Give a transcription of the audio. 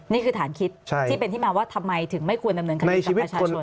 นี่คือฐานคิดที่เป็นที่มาว่าทำไมถึงไม่ควรดำเนินคดีกับประชาชน